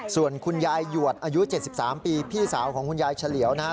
ส่วนคุณยายหยวดอายุ๗๓ปีพี่สาวของคุณยายเฉลียวนะฮะ